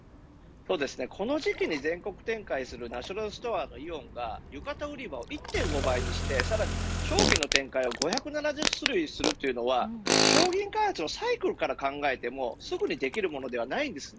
この時期に全国展開するナショナルストアのイオンが浴衣売り場を１．５倍にして商品の展開を５７０種類にするということは商品開発のサイクルから考えてもすぐにはできません。